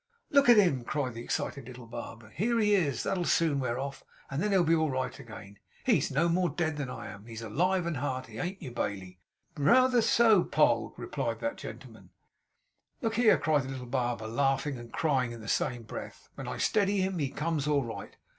'Look at him!' cried the excited little barber. 'Here he is! That'll soon wear off, and then he'll be all right again. He's no more dead than I am. He's all alive and hearty. Aint you, Bailey?' 'R r reether so, Poll!' replied that gentleman. 'Look here!' cried the little barber, laughing and crying in the same breath. 'When I steady him he comes all right.